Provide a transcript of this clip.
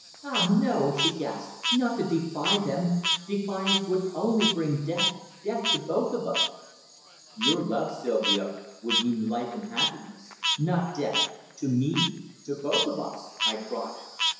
"Ah, no!" she gasped, "not to defy them. Defiance would only bring death death to both of us!" "Your love, Sylvia, would mean life and happiness, not death to me to both of us!" I cried.